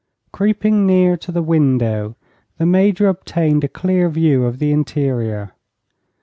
Creeping near to the window the Major obtained a clear view of the interior.